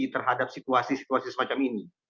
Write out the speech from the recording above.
terhadap situasi situasi semacam ini